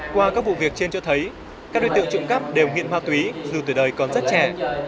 qua các vụ việc trên cho thấy các đối tượng trụng cấp đều nghiện hoa túy dù tuổi đời còn rất trẻ